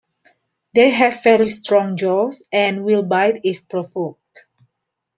They have very strong jaws and will bite if provoked.